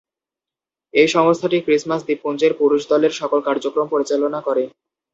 এই সংস্থাটি ক্রিসমাস দ্বীপপুঞ্জের পুরুষ দলের সকল কার্যক্রম পরিচালনা করে।